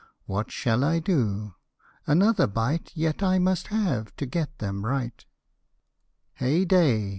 What shall I do ? another bite Yet I must have to get them right. Hey day